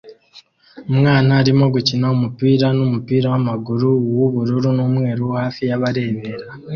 Umwana arimo gukina umupira numupira wamaguru wubururu numweru hafi yabarebera